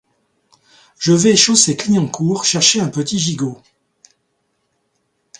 Je vais chaussée Clignancourt chercher un petit gigot.